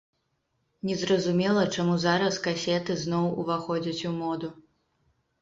Не зразумела, чаму зараз касеты зноў уваходзяць у моду.